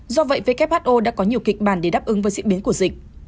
do vậy who đã có nhiều kịch bản để đáp ứng với diễn biến của dịch